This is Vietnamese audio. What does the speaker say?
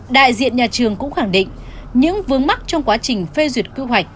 đại diện nhà trường cũng khẳng định những vướng mắc trong quá trình phê duyệt quy hoạch